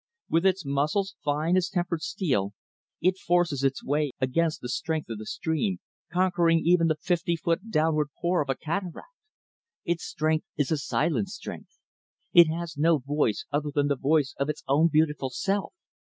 With its muscles, fine as tempered steel, it forces its way against the strength of the stream conquering even the fifty foot downward pour of a cataract. Its strength is a silent strength. It has no voice other than the voice of its own beautiful self.